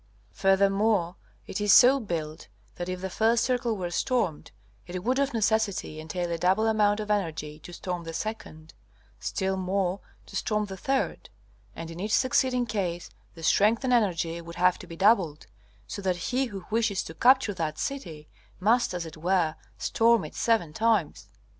Furthermore, it is so built that if the first circle were stormed, it would of necessity entail a double amount of energy to storm the second; still more to storm the third; and in each succeeding case the strength and energy would have to be doubled; so that he who wishes to capture that city must, as it were, storm it seven times.